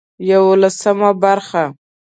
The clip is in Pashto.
يولسمه برخه